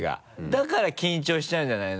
だから緊張しちゃうんじゃないの？